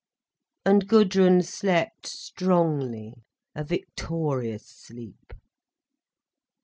And Gudrun slept strongly, a victorious sleep.